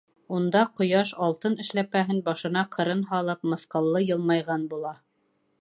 Унда ҡояш, алтын эшләпәһен башына ҡырын һалып, мыҫҡыллы йылмайған була.